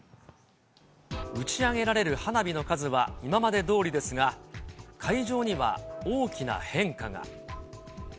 打ち上げられる花火の数は今までどおりですが、会場には大きな変化が。